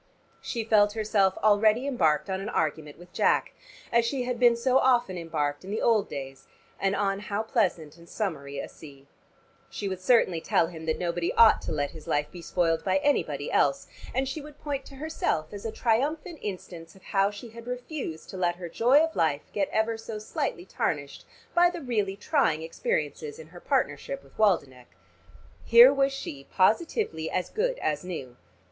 She felt herself already embarked on an argument with Jack, as she had been so often embarked in the old days, and on how pleasant and summery a sea. She would certainly tell him that nobody ought to let his life be spoiled by anybody else, and she would point to herself as a triumphant instance of how she had refused to let her joy of life get ever so slightly tarnished by the really trying experiences in her partnership with Waldenech. Here was she positively as good as new.